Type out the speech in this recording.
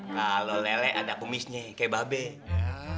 kalau lele ada kumisnya kayak babek